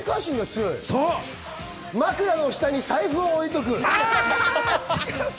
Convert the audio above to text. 枕の下に財布を置いておく。